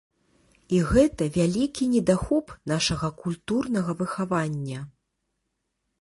І гэта вялікі недахоп нашага культурнага выхавання.